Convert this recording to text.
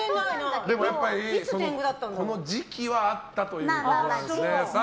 でもやっぱりこの時期はあったということですね。